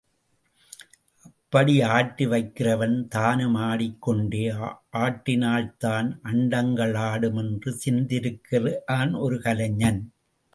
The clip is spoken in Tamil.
அப்படி ஆட்டி வைக்கிறவன் தானும் ஆடிக் கொண்டே ஆட்டினால்தான் அண்டங்கள் ஆடும் என்று சிந்தித்திருக்கிறான் ஒரு கலைஞன்.